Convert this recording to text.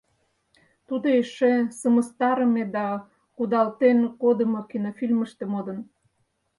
Тудо эше «Сымыстарыме да кудалтен кодымо»кинофильмыште модын.